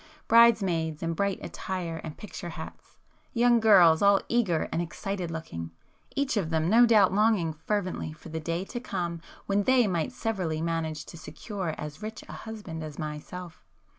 bridesmaids in bright attire and picture hats,—young girls all eager and excited looking, each of them no doubt longing fervently for the day to come when they might severally manage to secure as rich a husband as myself